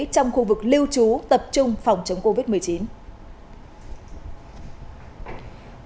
trong khu vực lưu trú tập trung phòng chống covid một mươi chín